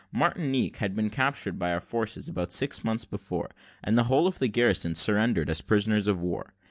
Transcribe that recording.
Martinique had been captured by our forces about six months before, and the whole of the garrison surrendered as prisoners of war.